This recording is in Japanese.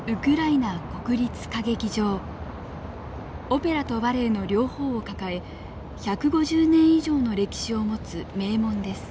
オペラとバレエの両方を抱え１５０年以上の歴史を持つ名門です。